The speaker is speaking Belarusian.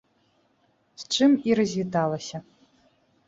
З чым і развіталася.